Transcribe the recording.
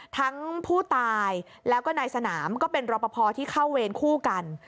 ทั้งผู้ตายแล้วก็นายสนามก็เป็นรอปภที่เข้าเวรคู่กัน